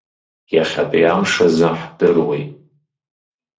Иахьатәи амш азы, ҳдыруеит.